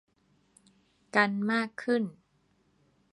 กันมากขึ้น